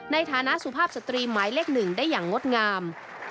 ในฐานะสุภาพสตรีหมายเลข๑ได้อย่างงดงาม